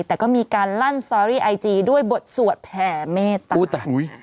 แต่ก็มีการลั่นสตอรี่ไอจีด้วยบทสวดแผ่เมตตา